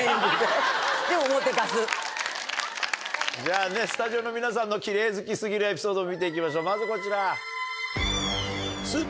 じゃあねスタジオの皆さんのキレイ好き過ぎるエピソードを見て行きましょうまずこちら！